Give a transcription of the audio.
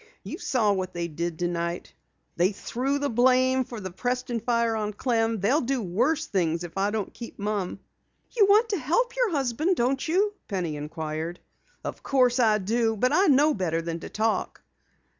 "You saw what they did tonight. They threw the blame of the Preston fire on Clem. They'll do worse things if I don't keep mum." "You want to help your husband, don't you?" Penny inquired. "Of course I do! But I know better than to talk."